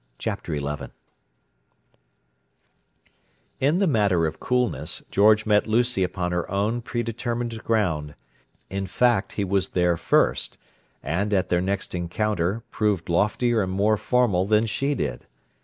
Chapter XI In the matter of coolness, George met Lucy upon her own predetermined ground; in fact, he was there first, and, at their next encounter, proved loftier and more formal than she did.